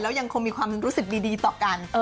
ยังคงมีความรู้สึกดีต่อกัน